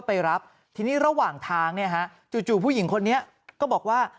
ไปรับทีนี้ระหว่างทางเนี่ยฮะจู่ผู้หญิงคนนี้ก็บอกว่า